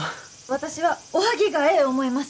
私はおはぎがええ思います！